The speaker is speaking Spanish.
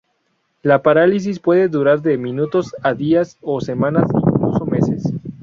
La parálisis puede durar de minutos a días o semanas e incluso meses.